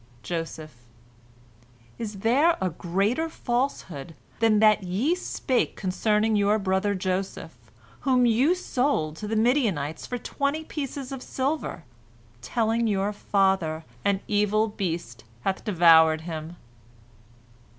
Joseph: "Is there a greater falsehood than that ye spake concerning your brother Joseph, whom you sold to the Midianites for twenty pieces of silver, telling your father, An evil beast bath devoured him?"